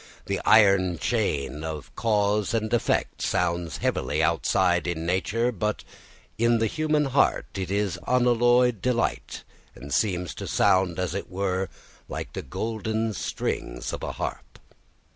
The iron chain of cause and effect sounds heavily outside in nature, but in the human heart its unalloyed delight seems to sound, as it were, like the golden strings of a harp.